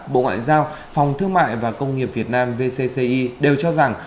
bộ ngoại giao phòng thương mại và công nghiệp việt nam vcci đều cho rằng